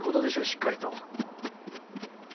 しっかりと。